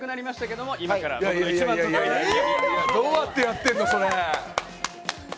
どうやってやってるのそれ。